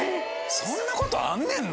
そんなことあんねんな。